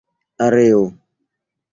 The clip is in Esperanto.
areo